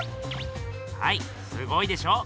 はいすごいでしょう？